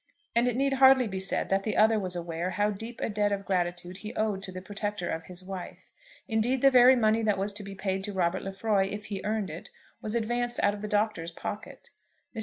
And it need hardly be said that the other was aware how deep a debt of gratitude he owed to the protector of his wife. Indeed the very money that was to be paid to Robert Lefroy, if he earned it, was advanced out of the Doctor's pocket. Mr.